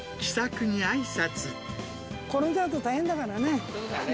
転んじゃうと大変だからね、そうだね。